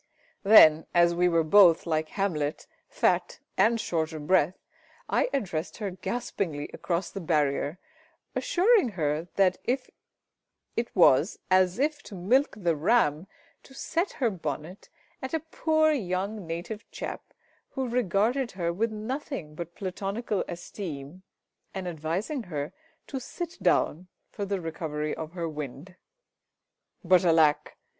Then, as we were both, like Hamlet, fat and short of breath, I addressed her gaspingly across the barrier, assuring her that it was as if to milk the ram to set her bonnet at a poor young native chap who regarded her with nothing but platonical esteem, and advising her to sit down for the recovery of her wind. But alack!